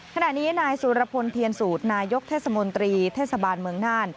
ขณะนี้นายสุรพลเทียนสูตรนายกเทศมนตรีเทศบาลเมืองน่าน